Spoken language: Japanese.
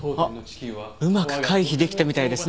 あっうまく回避できたみたいですね。